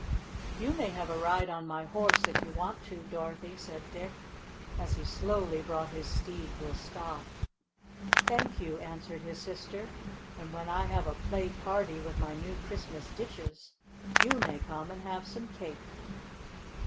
"You may have a ride on my horse if you want to, Dorothy," said Dick, as he slowly brought his steed to a stop. "Thank you," answered his sister. "And when I have a play party with my new Christmas dishes you may come and have some cake."